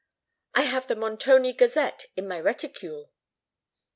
I have the Montoni Gazette in my reticule."